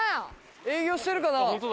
営業してるかな？